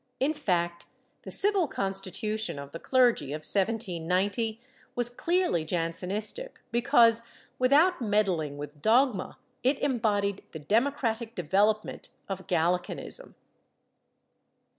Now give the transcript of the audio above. In fact, the Civil Constitution of the Clergy of 1790 was clearly Jansenistic because, without meddling with dogma, it embodied the democratic development of Gallicanism.